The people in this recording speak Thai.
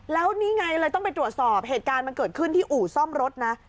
แล้วนี่ไงเลยต้องไปตรวจสอบเหตุการณ์มันเกิดขึ้นที่อู่ซ่อมรถนะ